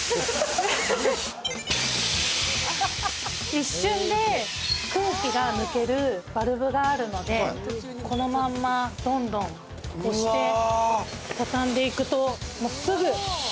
一瞬で空気が抜けるバルブがあるので、このまんまどんどん押して、畳んでいくともうすぐ。